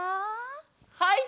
はい！